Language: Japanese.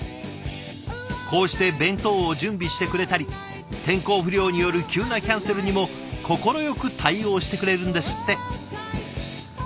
こうして弁当を準備してくれたり天候不良による急なキャンセルにも快く対応してくれるんですって。